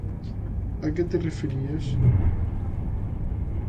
A que te referías?